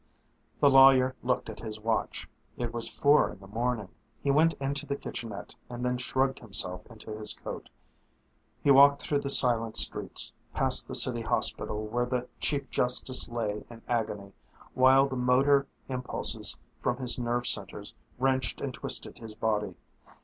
The lawyer looked at his watch. It was four in the morning. He went into the kitchenette and then shrugged himself into his coat. He walked through the silent streets, past the city hospital where the Chief Justice lay in agony while the motor impulses from his nerve centers wrenched and twisted his body.